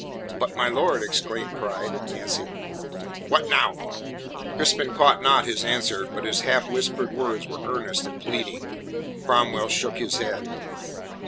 "But, my lord," exclaimed Pride, advancing. "What now?" Crispin caught not his answer, but his half whispered words were earnest and pleading. Cromwell shook his head.